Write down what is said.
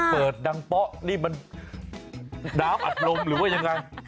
เปิดดังเป๊ะนี่มันน้ำอัดลมหรือว่ายังไง